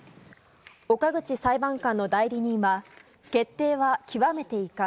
岡口裁判官の代理人は決定は極めて遺憾。